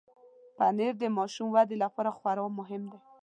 پنېر د ماشوم ودې لپاره خورا مهم دی.